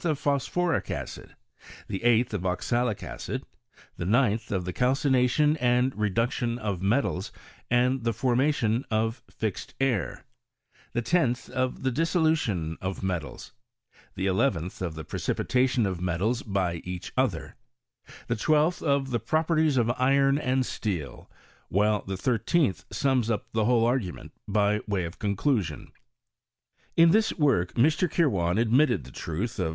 ofphosphoricacid; theeighlh, of oxalic acid; the ninth, of the calcination and reduc tion of metals and tbeforraation of fixed air; the tenth, of the dissolution of metals; the eleventh, of the pre cipitation of metals by each other; thetwelfth, of the properties of iron and steel ; while the thirteenth sums up the whole argument by way of conclusion. In this work Mr. Kirwan admitted the truth of M.